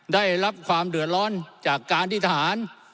ได้รับความเดือดร้อนจากการที่ทหาร